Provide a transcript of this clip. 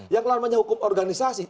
yang namanya hukum organisasi